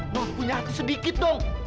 lo punya hati sedikit dong